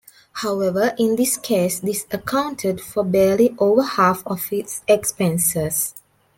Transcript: However, in this case, this accounted for barely over half of its expenses.